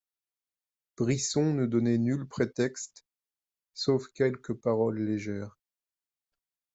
Brisson ne donnait nul prétexte, sauf quelques paroles légères.